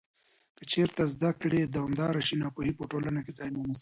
که چېرته زده کړه دوامداره شي، ناپوهي په ټولنه کې ځای نه نیسي.